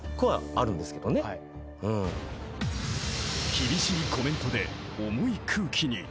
［厳しいコメントで重い空気に］